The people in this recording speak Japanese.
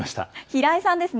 平井さんですね。